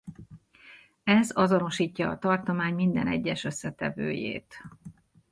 Ez azonosítja a tartomány minden egyes összetevőjét.